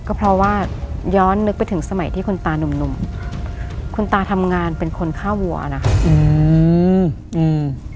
ก็เพราะว่าย้อนนึกไปถึงสมัยที่คุณตานุ่มหนุ่มคุณตาทำงานเป็นคนฆ่าวัวนะคะอืมอืม